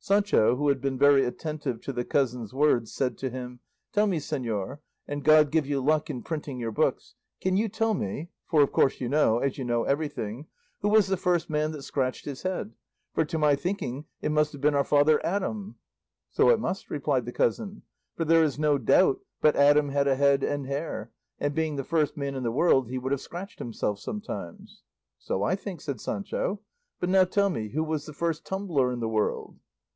Sancho, who had been very attentive to the cousin's words, said to him, "Tell me, señor and God give you luck in printing your books can you tell me (for of course you know, as you know everything) who was the first man that scratched his head? For to my thinking it must have been our father Adam." "So it must," replied the cousin; "for there is no doubt but Adam had a head and hair; and being the first man in the world he would have scratched himself sometimes." "So I think," said Sancho; "but now tell me, who was the first tumbler in the world?"